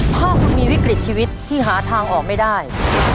ถ้าคุณมีวิกฤตชีวิตที่หาทางออกไม่ได้